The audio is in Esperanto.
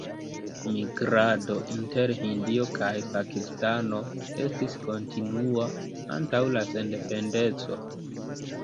Migrado inter Hindio kaj Pakistano estis kontinua antaŭ la sendependeco.